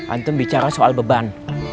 antum bicara soal beban